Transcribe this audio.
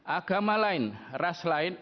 agama lain ras lain